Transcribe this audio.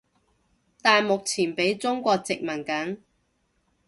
但目前畀中國殖民緊